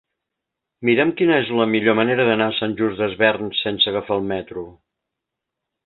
Mira'm quina és la millor manera d'anar a Sant Just Desvern sense agafar el metro.